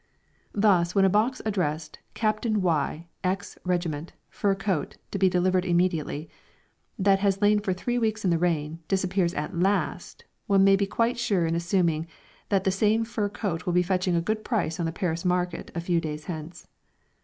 Thus when a box addressed: "Captain Y , Xth Regiment Fur Coat to be delivered immediately," that has lain for three weeks in the rain, disappears at last, one may be quite safe in assuming that the same fur coat will be fetching a good price on the Paris market a few days hence.